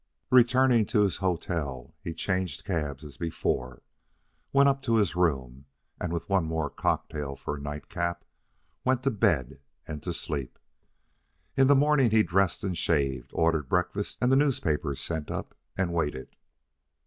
Returning to his hotel, he changed cabs as before, went up to his room, and with one more cocktail for a nightcap, went to bed and to sleep. In the morning he dressed and shaved, ordered breakfast and the newspapers sent up, and waited.